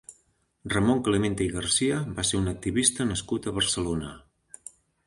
Ramon Clemente i Garcia va ser un activista nascut a Barcelona.